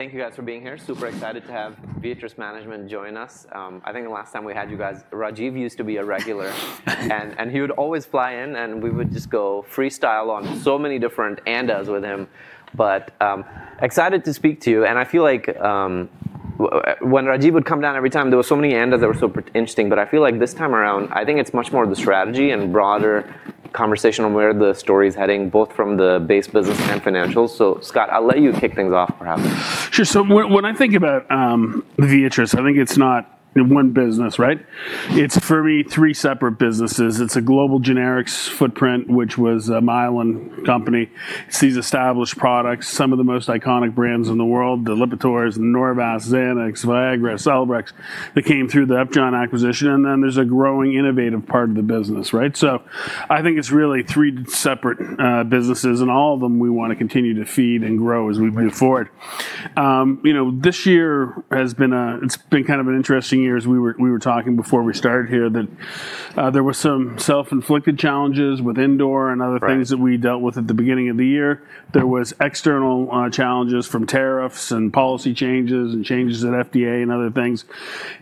Thank you, guys, for being here. Super excited to have Viatris Management join us. I think the last time we had you guys, Rajiv used to be a regular, and he would always fly in, and we would just go freestyle on so many different ANDAs with him. But excited to speak to you. And I feel like when Rajiv would come down every time, there were so many ANDAs that were so interesting. But I feel like this time around, I think it's much more the strategy and broader conversation on where the story is heading, both from the base business and financials. So, Scott, I'll let you kick things off, perhaps. Sure. So when I think about Viatris, I think it's not one business, right? It's, for me, three separate businesses. It's a global generics footprint, which was a Mylan company. It's established products, some of the most iconic brands in the world: the Lipitor, the Norvasc, Xanax, Viagra, Celebrex, that came through the Upjohn acquisition. And then there's a growing innovative part of the business, right? So I think it's really three separate businesses, and all of them we want to continue to feed and grow as we move forward. This year has been, it's been kind of an interesting year, as we were talking before we started here, that there were some self-inflicted challenges with Idorsia and other things that we dealt with at the beginning of the year. There were external challenges from tariffs and policy changes and changes at FDA and other things.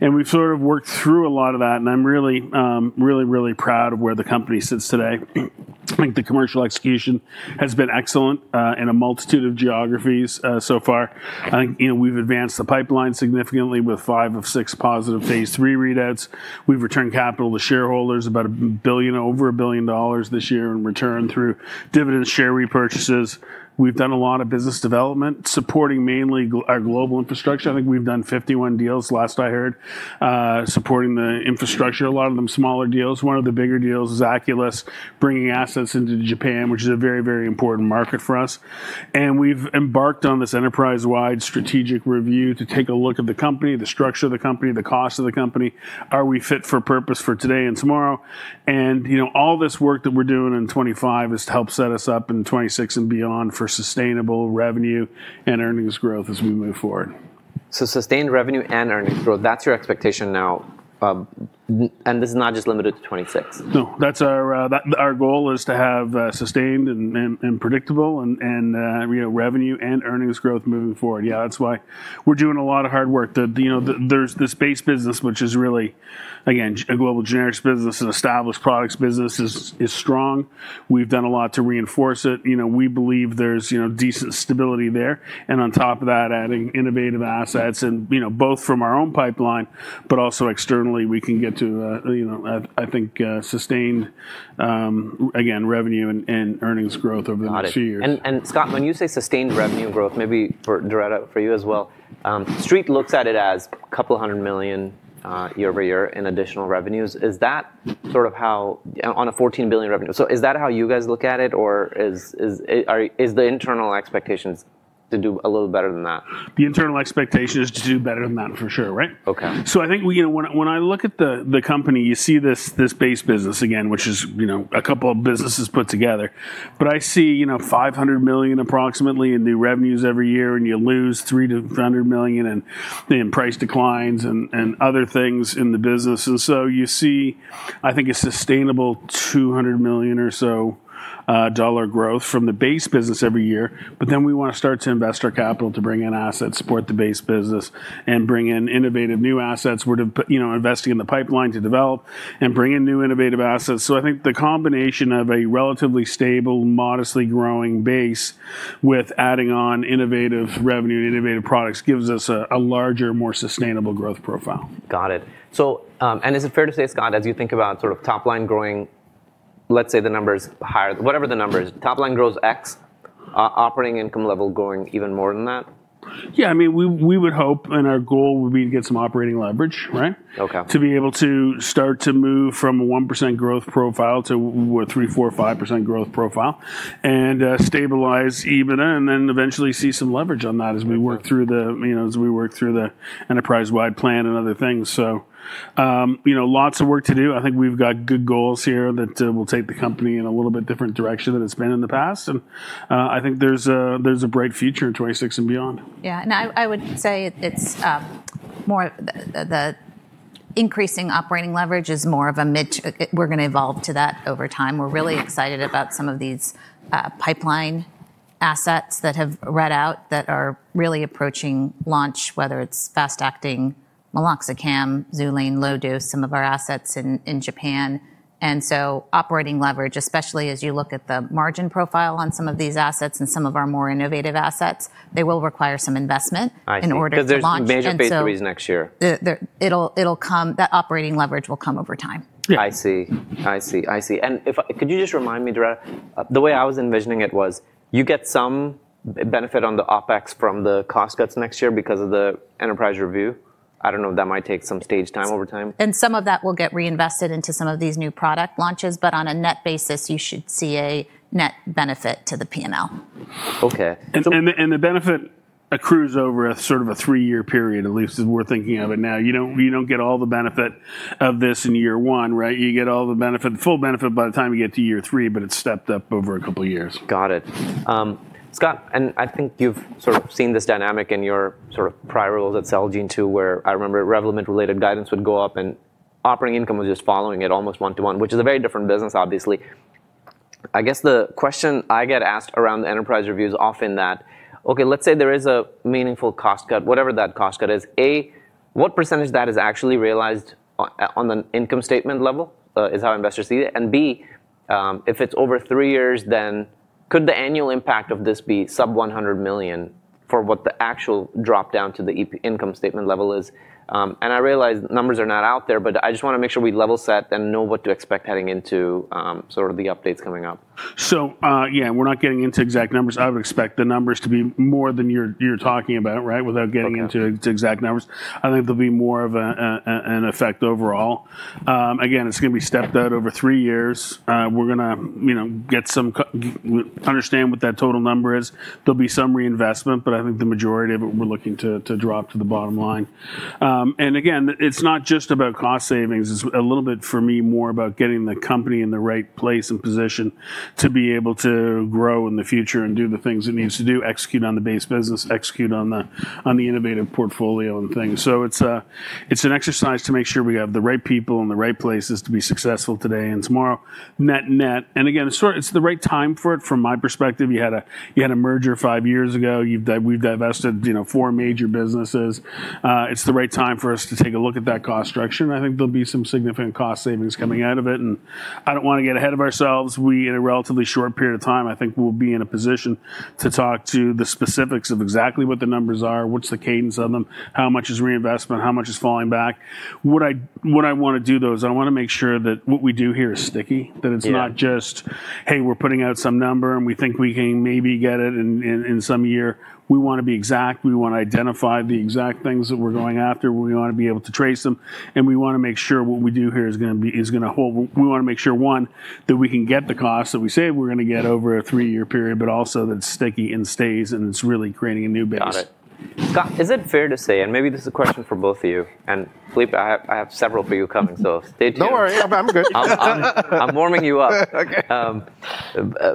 We've sort of worked through a lot of that, and I'm really, really, really proud of where the company sits today. I think the commercial execution has been excellent in a multitude of geographies so far. I think we've advanced the pipeline significantly with five of six positive phase 3 readouts. We've returned capital to shareholders about $1 billion, over $1 billion this year in return through dividend share repurchases. We've done a lot of business development supporting mainly our global infrastructure. I think we've done 51 deals last I heard, supporting the infrastructure, a lot of them smaller deals. One of the bigger deals is Aculys, bringing assets into Japan, which is a very, very important market for us. We've embarked on this enterprise-wide strategic review to take a look at the company, the structure of the company, the cost of the company, are we fit for purpose for today and tomorrow? All this work that we're doing in 2025 is to help set us up in 2026 and beyond for sustainable revenue and earnings growth as we move forward. So sustained revenue and earnings growth, that's your expectation now, and this is not just limited to 2026. No, that's our goal is to have sustained and predictable and revenue and earnings growth moving forward. Yeah, that's why we're doing a lot of hard work. There's this base business, which is really, again, a global generics business and established products business is strong. We've done a lot to reinforce it. We believe there's decent stability there, and on top of that, adding innovative assets, both from our own pipeline, but also externally, we can get to, I think, sustained, again, revenue and earnings growth over the next few years. Got it. And Scott, when you say sustained revenue growth, maybe for Doretta, for you as well, Street looks at it as a couple hundred million year-over-year in additional revenues. Is that sort of how, on a $14 billion revenue, so is that how you guys look at it, or are the internal expectations to do a little better than that? The internal expectation is to do better than that, for sure, right? Okay. I think when I look at the company, you see this base business again, which is a couple of businesses put together. I see $500 million approximately in new revenues every year, and you lose $300 million, and then price declines and other things in the business. You see, I think, a sustainable $200 million or so dollar growth from the base business every year. Then we want to start to invest our capital to bring in assets, support the base business, and bring in innovative new assets. We're investing in the pipeline to develop and bring in new innovative assets. I think the combination of a relatively stable, modestly growing base with adding on innovative revenue and innovative products gives us a larger, more sustainable growth profile. Got it. And is it fair to say, Scott, as you think about sort of top line growing, let's say the number is higher, whatever the number is, top line grows X, operating income level growing even more than that? Yeah, I mean, we would hope, and our goal would be to get some operating leverage, right, to be able to start to move from a 1% growth profile to a 3%, 4%, 5% growth profile and stabilize even and then eventually see some leverage on that as we work through the enterprise-wide plan and other things. So lots of work to do. I think we've got good goals here that will take the company in a little bit different direction than it's been in the past. And I think there's a bright future in 2026 and beyond. Yeah. And I would say it's more of the increasing operating leverage is more of a mid. We're going to evolve to that over time. We're really excited about some of these pipeline assets that have read out that are really approaching launch, whether it's fast-acting meloxicam, Xulane, low dose, some of our assets in Japan. And so operating leverage, especially as you look at the margin profile on some of these assets and some of our more innovative assets, they will require some investment in order to launch those. I see. Because there's major factories next year. It'll come, that operating leverage will come over time. I see. I see. I see. And could you just remind me, Doretta, the way I was envisioning it was you get some benefit on the OpEx from the cost cuts next year because of the enterprise review? I don't know if that might take some stage time over time. Some of that will get reinvested into some of these new product launches, but on a net basis, you should see a net benefit to the P&L. Okay. And the benefit accrues over a sort of a three-year period, at least, we're thinking of it now. You don't get all the benefit of this in year one, right? You get all the benefit, the full benefit by the time you get to year three, but it's stepped up over a couple of years. Got it. Scott, and I think you've sort of seen this dynamic in your sort of prior roles at Celgene too, where I remember Revlimid-related guidance would go up and operating income was just following it almost one-to-one, which is a very different business, obviously. I guess the question I get asked around the enterprise reviews often that, okay, let's say there is a meaningful cost cut, whatever that cost cut is, A, what percentage of that is actually realized on the income statement level is how investors see it? And B, if it's over three years, then could the annual impact of this be sub-$100 million for what the actual drop down to the income statement level is? And I realize numbers are not out there, but I just want to make sure we level set and know what to expect heading into sort of the updates coming up. So yeah, we're not getting into exact numbers. I would expect the numbers to be more than you're talking about, right, without getting into exact numbers. I think there'll be more of an effect overall. Again, it's going to be stepped out over three years. We're going to get some, understand what that total number is. There'll be some reinvestment, but I think the majority of it we're looking to drop to the bottom line. And again, it's not just about cost savings. It's a little bit, for me, more about getting the company in the right place and position to be able to grow in the future and do the things it needs to do, execute on the base business, execute on the innovative portfolio and things. So it's an exercise to make sure we have the right people in the right places to be successful today and tomorrow, net net. And again, it's the right time for it. From my perspective, you had a merger five years ago. We've divested four major businesses. It's the right time for us to take a look at that cost structure. And I think there'll be some significant cost savings coming out of it. And I don't want to get ahead of ourselves. We, in a relatively short period of time, I think we'll be in a position to talk to the specifics of exactly what the numbers are, what's the cadence of them, how much is reinvestment, how much is falling back. What I want to do, though, is I want to make sure that what we do here is sticky, that it's not just, hey, we're putting out some number and we think we can maybe get it in some year. We want to be exact. We want to identify the exact things that we're going after. We want to be able to trace them. And we want to make sure what we do here is going to hold. We want to make sure, one, that we can get the cost that we say we're going to get over a three-year period, but also that it's sticky and stays and it's really creating a new base. Got it. Scott, is it fair to say, and maybe this is a question for both of you, and Philippe, I have several for you coming, so stay tuned. Don't worry. I'm good. I'm warming you up.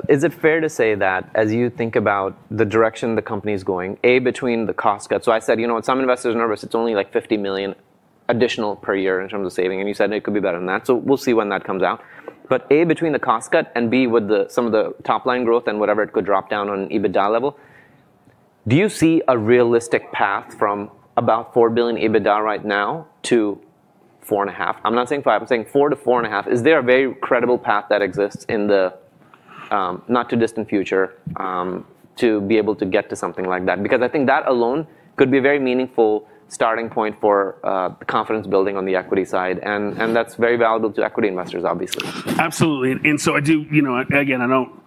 Is it fair to say that as you think about the direction the company is going, A, between the cost cuts, so I said, you know, some investors are nervous, it's only like $50 million additional per year in terms of saving, and you said it could be better than that. So we'll see when that comes out. But A, between the cost cut, and B, with some of the top line growth and whatever it could drop down on EBITDA level, do you see a realistic path from about $4 billion EBITDA right now to $4.5 billion? I'm not saying $5 billion, I'm saying $4 billion to $4.5 billion. Is there a very credible path that exists in the not-too-distant future to be able to get to something like that? Because I think that alone could be a very meaningful starting point for confidence building on the equity side. That's very valuable to equity investors, obviously. Absolutely, and so I do, again, I don't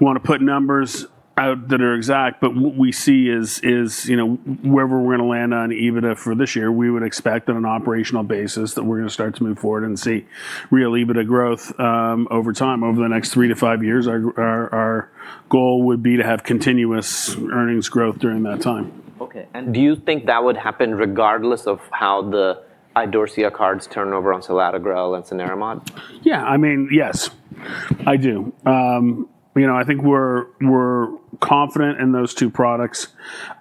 want to put numbers out that are exact, but what we see is wherever we're going to land on EBITDA for this year, we would expect on an operational basis that we're going to start to move forward and see real EBITDA growth over time, over the next three to five years. Our goal would be to have continuous earnings growth during that time. Okay. And do you think that would happen regardless of how the Idorsia cards turn over on Selatogrel and Cenerimod? Yeah, I mean, yes, I do. I think we're confident in those two products.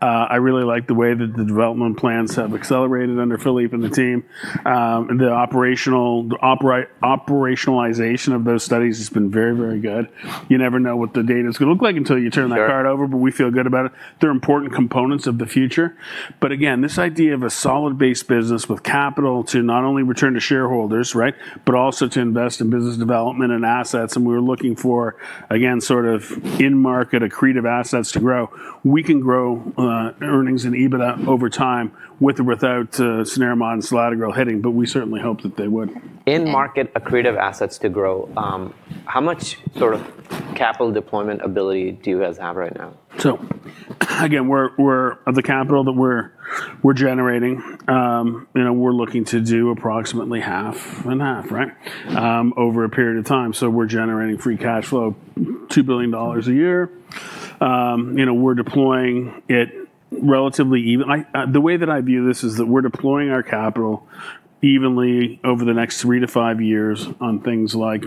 I really like the way that the development plans have accelerated under Philippe and the team. The operationalization of those studies has been very, very good. You never know what the data is going to look like until you turn that card over, but we feel good about it. They're important components of the future. But again, this idea of a solid base business with capital to not only return to shareholders, right, but also to invest in business development and assets. And we were looking for, again, sort of in-market accretive assets to grow. We can grow earnings in EBITDA over time with or without Cenerimod and Selatogrel hitting, but we certainly hope that they would. In-market accretive assets to grow. How much sort of capital deployment ability do you guys have right now? So again, we're allocating the capital that we're generating. We're looking to do approximately half and half, right, over a period of time. So we're generating free cash flow, $2 billion a year. We're deploying it relatively even. The way that I view this is that we're deploying our capital evenly over the next three to five years on things like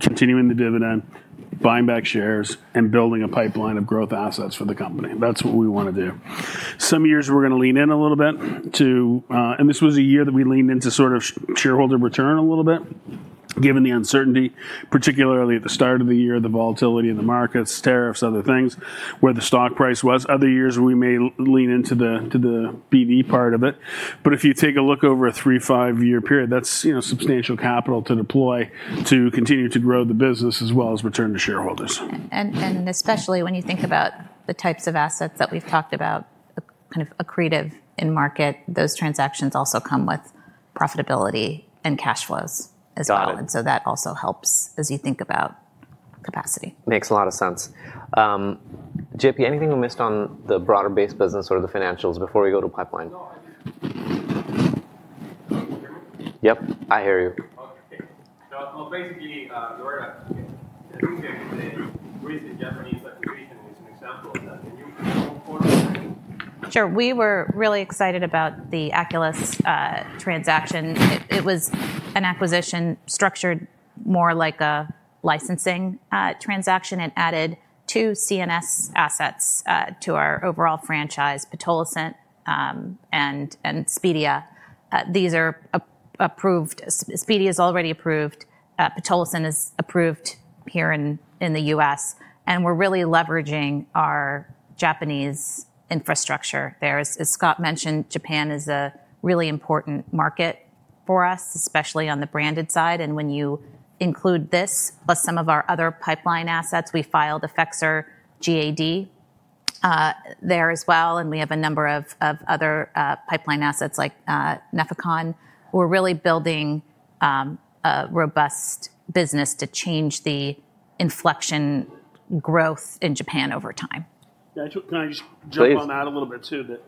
continuing the dividend, buying back shares, and building a pipeline of growth assets for the company. That's what we want to do. Some years we're going to lean in a little bit to, and this was a year that we leaned into sort of shareholder return a little bit, given the uncertainty, particularly at the start of the year, the volatility in the markets, tariffs, other things, where the stock price was. Other years we may lean into the BV part of it. But if you take a look over a three-, five-year period, that's substantial capital to deploy to continue to grow the business as well as return to shareholders. Especially when you think about the types of assets that we've talked about, kind of accretive in market, those transactions also come with profitability and cash flows as well. So that also helps as you think about capacity. Makes a lot of sense. JP, anything we missed on the broader base business or the financials before we go to pipeline? Yep, I hear you. Okay. So basically, Doretta, I think that the recent Japanese acquisition is an example of that. Can you go forward? Sure. We were really excited about the Aculys transaction. It was an acquisition structured more like a licensing transaction. It added two CNS assets to our overall franchise, Pitolisant and Speedia. These are approved. Speedia is already approved. Pitolisant is approved here in the U.S.. And we're really leveraging our Japanese infrastructure there. As Scott mentioned, Japan is a really important market for us, especially on the branded side. And when you include this, plus some of our other pipeline assets, we filed Effexor GAD there as well. And we have a number of other pipeline assets like Nefecon. We're really building a robust business to change the inflection growth in Japan over time. Can I just jump on that a little bit too?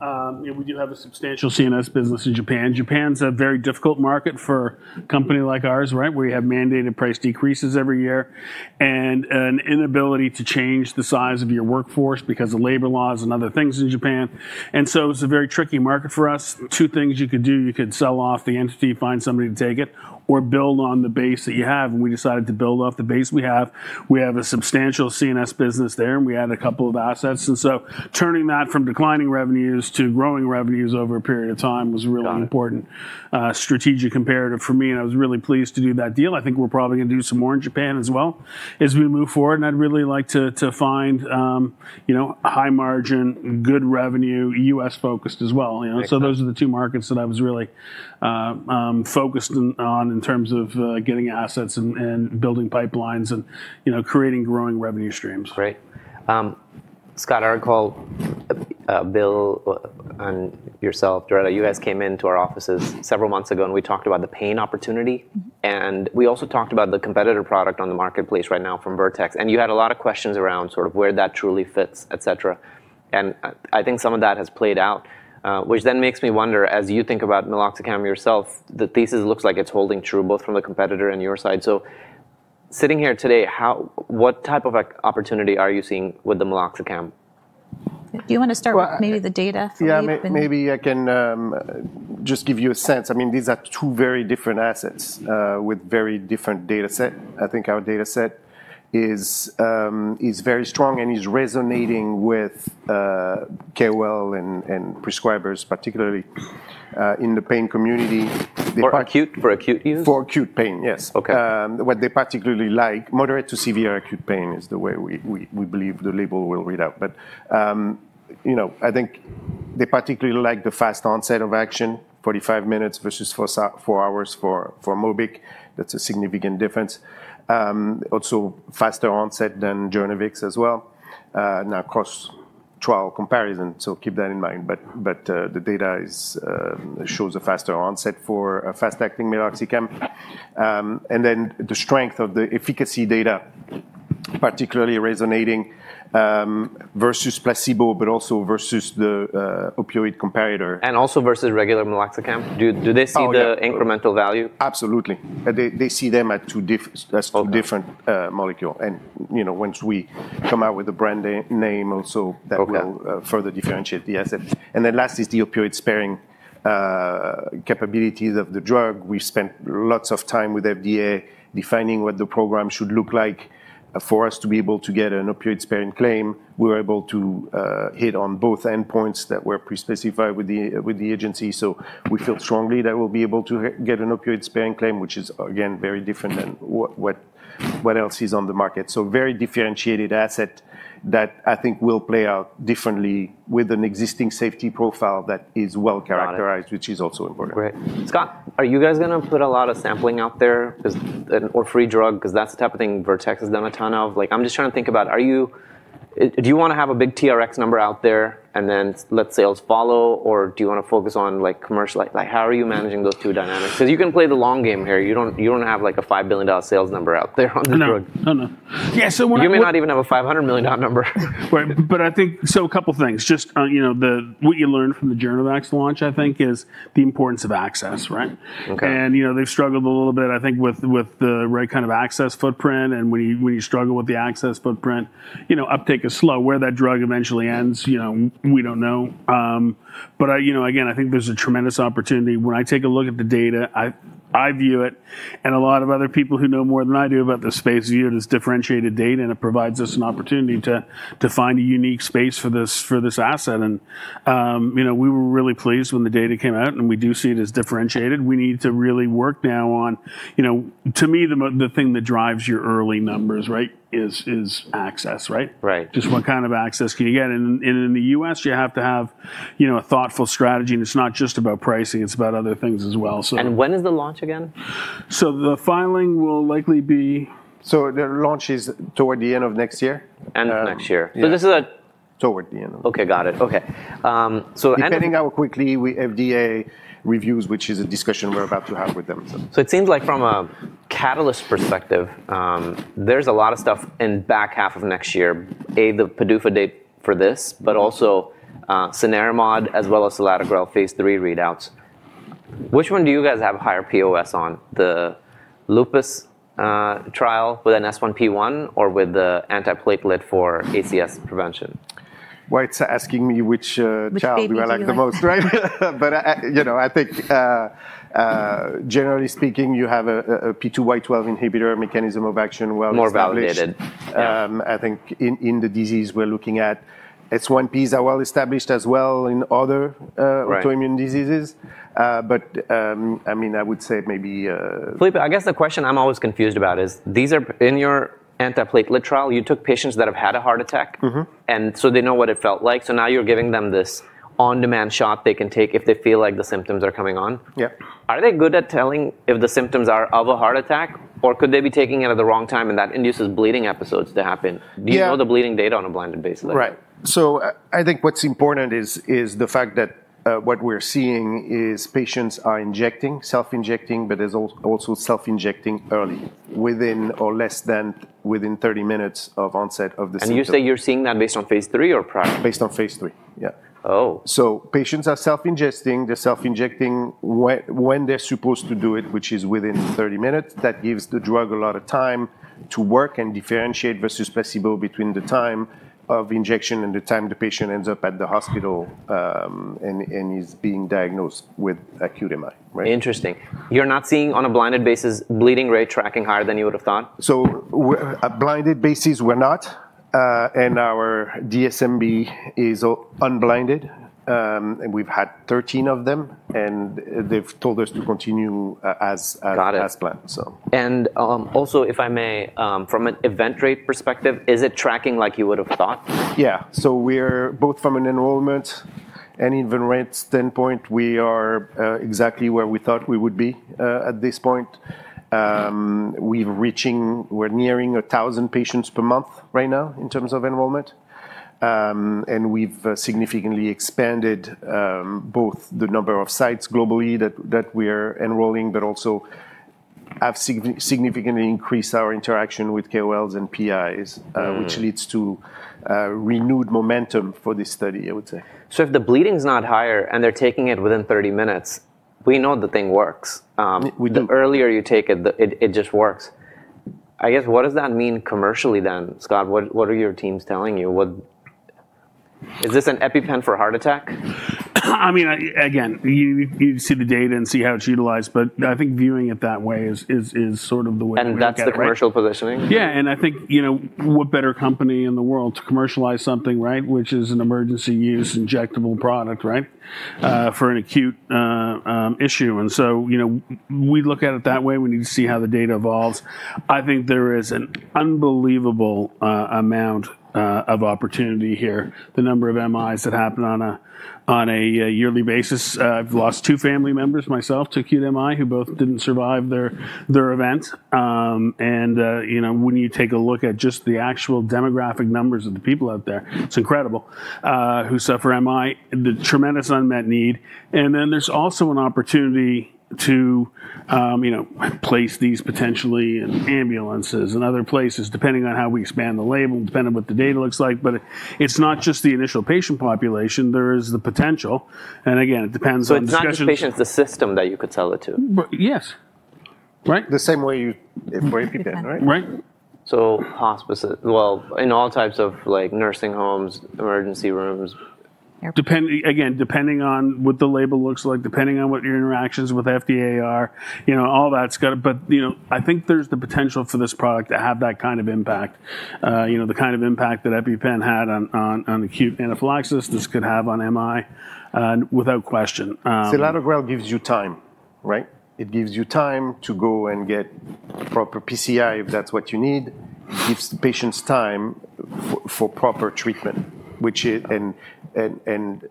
We do have a substantial CNS business in Japan. Japan's a very difficult market for a company like ours, right, where you have mandated price decreases every year and an inability to change the size of your workforce because of labor laws and other things in Japan. And so it's a very tricky market for us. Two things you could do. You could sell off the entity, find somebody to take it, or build on the base that you have. And we decided to build off the base we have. We have a substantial CNS business there, and we added a couple of assets. And so turning that from declining revenues to growing revenues over a period of time was a really important strategic imperative for me. And I was really pleased to do that deal. I think we're probably going to do some more in Japan as well as we move forward. And I'd really like to find high margin, good revenue, U.S.-focused as well. So those are the two markets that I was really focused on in terms of getting assets and building pipelines and creating growing revenue streams. Great. Scott, I recall Bill and yourself, Doretta, you guys came into our offices several months ago, and we talked about the pain opportunity. And we also talked about the competitor product on the marketplace right now from Vertex. And you had a lot of questions around sort of where that truly fits, etc. And I think some of that has played out, which then makes me wonder, as you think about meloxicam yourself, the thesis looks like it's holding true both from the competitor and your side. So sitting here today, what type of opportunity are you seeing with the meloxicam? Do you want to start with maybe the data? Yeah, maybe I can just give you a sense. I mean, these are two very different assets with very different data set. I think our data set is very strong and is resonating with KOL and prescribers, particularly in the pain community. For acute use? For acute pain, yes. What they particularly like, moderate to severe acute pain is the way we believe the label will read out. But I think they particularly like the fast onset of action, 45 minutes versus four hours for Mobic. That's a significant difference. Also faster onset than Journavx as well. Now, cross trial comparison, so keep that in mind. But the data shows a faster onset for fast-acting meloxicam. And then the strength of the efficacy data particularly resonating versus placebo, but also versus the opioid comparator. And also versus regular meloxicam. Do they see the incremental value? Absolutely. They see them as two different molecules, and once we come out with a brand name also, that will further differentiate the asset, and then last is the opioid-sparing capabilities of the drug. We've spent lots of time with FDA defining what the program should look like for us to be able to get an opioid-sparing claim. We were able to hit on both endpoints that were pre-specified with the agency, so we feel strongly that we'll be able to get an opioid-sparing claim, which is, again, very different than what else is on the market, so very differentiated asset that I think will play out differently with an existing safety profile that is well characterized, which is also important. Great. Scott, are you guys going to put a lot of sampling out there or free drug? Because that's the type of thing Vertex has done a ton of. I'm just trying to think about, do you want to have a big TRx number out there and then let sales follow, or do you want to focus on commercial? How are you managing those two dynamics? Because you can play the long game here. You don't have like a $5 billion sales number out there on the drug. No, no. Yeah, so. You may not even have a $500 million number. But I think, so a couple of things. Just what you learned from the Journavx launch, I think, is the importance of access, right? And they've struggled a little bit, I think, with the right kind of access footprint. And when you struggle with the access footprint, uptake is slow. Where that drug eventually ends, we don't know. But again, I think there's a tremendous opportunity. When I take a look at the data, I view it, and a lot of other people who know more than I do about this space view it as differentiated data, and it provides us an opportunity to find a unique space for this asset. And we were really pleased when the data came out, and we do see it as differentiated. We need to really work now on, to me, the thing that drives your early numbers, right, is access, right? Just what kind of access can you get? And in the U.S., you have to have a thoughtful strategy, and it's not just about pricing. It's about other things as well. When is the launch again? The filing will likely be. So the launch is toward the end of next year? End of next year. This is a. Toward the end of next year. Okay, got it. Okay. If anything, I will quickly FDA reviews, which is a discussion we're about to have with them. So it seems like from a catalyst perspective, there's a lot of stuff in the back half of next year, A, the PDUFA date for this, but also cenerimod as well as selatogrel phase 3 readouts. Which one do you guys have higher POS on? The lupus trial with an S1P1 or with the antiplatelet for ACS prevention? It's asking me which chart do I like the most, right? But I think generally speaking, you have a P2Y12 inhibitor mechanism of action well established. More validated. I think in the disease we're looking at, S1Ps are well established as well in other autoimmune diseases. But I mean, I would say maybe. Philippe, I guess the question I'm always confused about is these are in your antiplatelet trial, you took patients that have had a heart attack, and so they know what it felt like. So now you're giving them this on-demand shot they can take if they feel like the symptoms are coming on. Yeah. Are they good at telling if the symptoms are of a heart attack, or could they be taking it at the wrong time and that induces bleeding episodes to happen? Do you know the bleeding data on a blended basis? Right. So I think what's important is the fact that what we're seeing is patients are injecting, self-injecting, but there's also self-injecting early within or less than 30 minutes of onset of the symptoms. You say you're seeing that based on phase three or prior? Based on phase three. Yeah. Oh. Patients are self-injecting. They're self-injecting when they're supposed to do it, which is within 30 minutes. That gives the drug a lot of time to work and differentiate versus placebo between the time of injection and the time the patient ends up at the hospital and is being diagnosed with acute MI, right? Interesting. You're not seeing on a blinded basis bleeding rate tracking higher than you would have thought? So, blinded basis, we're not. And our DSMB is unblinded. And we've had 13 of them, and they've told us to continue as planned. Got it. And also, if I may, from an event rate perspective, is it tracking like you would have thought? Yeah. So we're both from an enrollment and event rate standpoint, we are exactly where we thought we would be at this point. We're nearing 1,000 patients per month right now in terms of enrollment. And we've significantly expanded both the number of sites globally that we're enrolling, but also have significantly increased our interaction with KOLs and PIs, which leads to renewed momentum for this study, I would say. So if the bleeding's not higher and they're taking it within 30 minutes, we know the thing works. The earlier you take it, it just works. I guess what does that mean commercially then, Scott? What are your teams telling you? Is this an EpiPen for heart attack? I mean, again, you see the data and see how it's utilized, but I think viewing it that way is sort of the way to. That's the commercial positioning? Yeah. And I think what better company in the world to commercialize something, right, which is an emergency use injectable product, right, for an acute issue. And so we look at it that way. We need to see how the data evolves. I think there is an unbelievable amount of opportunity here. The number of MIs that happen on a yearly basis. I've lost two family members myself to acute MI who both didn't survive their event. And when you take a look at just the actual demographic numbers of the people out there, it's incredible who suffer MI, the tremendous unmet need. And then there's also an opportunity to place these potentially in ambulances and other places, depending on how we expand the label, depending on what the data looks like. But it's not just the initial patient population. There is the potential. Again, it depends on the discussion. So it's not just patients, the system that you could sell it to. Yes. Right. The same way you for EpiPen, right? Right. So, hospices, well, in all types of nursing homes, emergency rooms. Again, depending on what the label looks like, depending on what your interactions with FDA are, all that's going to, but I think there's the potential for this product to have that kind of impact, the kind of impact that EpiPen had on acute anaphylaxis, this could have on MI, without question. Selatogrel gives you time, right? It gives you time to go and get proper PCI if that's what you need. It gives the patients time for proper treatment, which and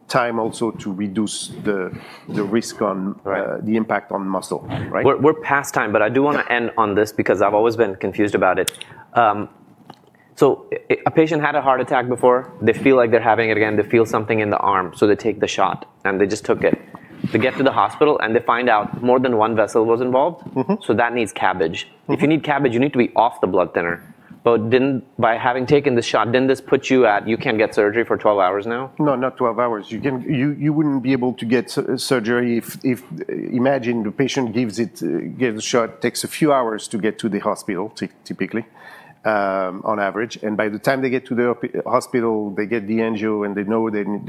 time also to reduce the risk on the impact on muscle, right? We're past time, but I do want to end on this because I've always been confused about it. So a patient had a heart attack before. They feel like they're having it again. They feel something in the arm. So they take the shot, and they just took it. They get to the hospital, and they find out more than one vessel was involved. So that needs CABG. If you need CABG, you need to be off the blood thinner. But by having taken the shot, didn't this put you at you can't get surgery for 12 hours now? No, not 12 hours. You wouldn't be able to get surgery if, imagine, the patient gives the shot, takes a few hours to get to the hospital, typically, on average, and by the time they get to the hospital, they get the angio and they know they need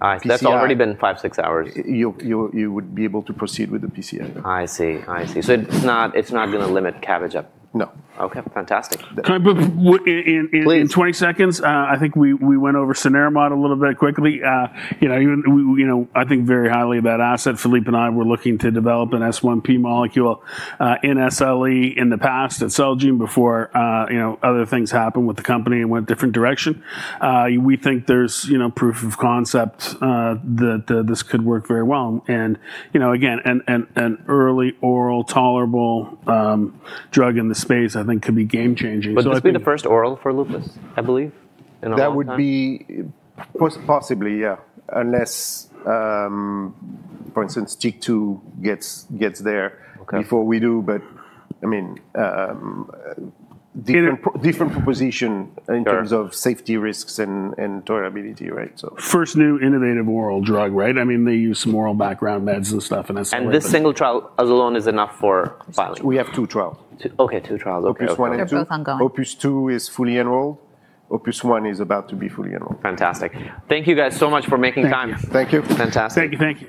PCI. That's already been five, six hours. You would be able to proceed with the PCI. I see. I see. So it's not going to limit CABG up. No. Okay. Fantastic. In 20 seconds, I think we went over cenerimod a little bit quickly. I think very highly of that asset. Philippe and I were looking to develop an S1P molecule in SLE in the past at Celgene before other things happened with the company and went different direction. We think there's proof of concept that this could work very well. And again, an early oral tolerable drug in the space, I think, could be game-changing. But this would be the first oral for lupus, I believe, in a lot of. That would be possibly, yeah, unless, for instance, JIC2 gets there before we do. But I mean, different proposition in terms of safety risks and tolerability, right? First new innovative oral drug, right? I mean, they use some oral background meds and stuff, and that's what I'm saying. This single trial alone is enough for filing. We have two trials. Okay, two trials. Okay. OPUS 1 and OPUS 2 is fully enrolled. OPUS 1 is about to be fully enrolled. Fantastic. Thank you guys so much for making time. Thank you. Fantastic. Thank you.